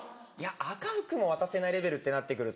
赤福も渡せないレベルってなってくると